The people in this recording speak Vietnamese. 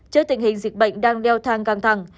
trước tình hình dịch bệnh đang đeo thang căng thẳng